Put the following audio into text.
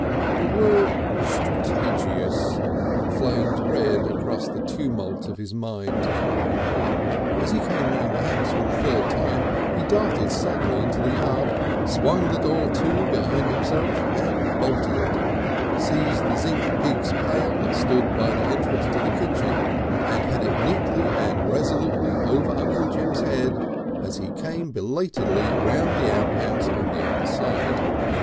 The word "strategious" flamed red across the tumult of his mind. As he came round the house for the third time, he darted suddenly into the yard, swung the door to behind himself and bolted it, seized the zinc pig's pail that stood by the entrance to the kitchen and had it neatly and resonantly over Uncle Jim's head as he came belatedly in round the outhouse on the other side.